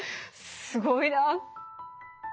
すごいな。